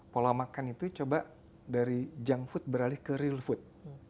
pola makan itu coba dari junk food beralih ke real food